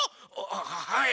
はい。